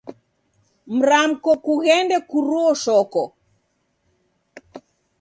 Mramko kughende kuruo shoko.